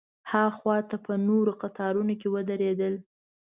ها خوا ته په نورو قطارونو کې ودرېدل.